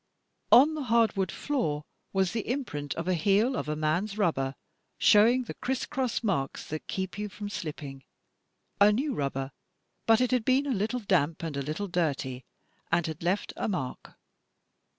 On the hardwood floor was the imprint of the heel of a man's rubber, showing the criss cross marks that keep you from slipping — a new rubber, but it had been a little damp and a little dirty, and had left a mark."